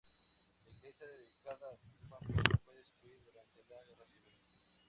La iglesia dedicada a San Pedro fue destruida durante la Guerra Civil.